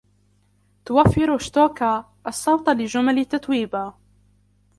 توفر " شتوكا " الصوتَ لجمل تتويبا.